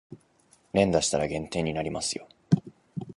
連打したら減点になりますよ